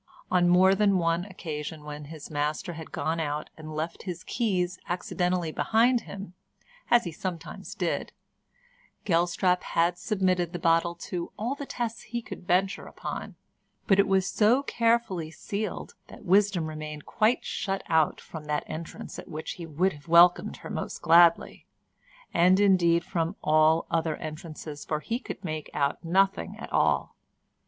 On more than one occasion when his master had gone out and left his keys accidentally behind him, as he sometimes did, Gelstrap had submitted the bottle to all the tests he could venture upon, but it was so carefully sealed that wisdom remained quite shut out from that entrance at which he would have welcomed her most gladly—and indeed from all other entrances, for he could make out nothing at all.